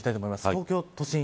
東京都心。